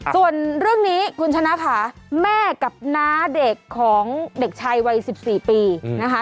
ส่วนเรื่องนี้คุณชนะค่ะแม่กับน้าเด็กของเด็กชายวัย๑๔ปีนะคะ